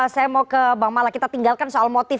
saya mau ke bang mala kita tinggalkan soal motif